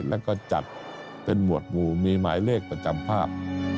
แล้วก็จัดเป็นหมวดหมู่มีหมายเลขประจำภาพ